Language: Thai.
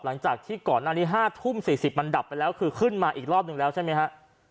หลังจากที่ก่อนหน้านี้๕ทุ่ม๔๐มันดับไปแล้วคือขึ้นมาอีกรอบหนึ่งแล้วใช่ไหมฮะ